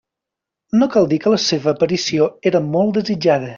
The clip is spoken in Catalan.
No cal dir que la seva aparició era molt desitjada.